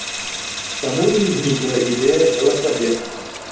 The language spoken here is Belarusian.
Таму і ўзнікла ідэя велапрабега.